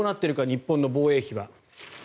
日本の防衛費は。